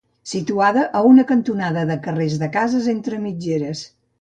Situada a una cantonada de carrers de cases entre mitgeres.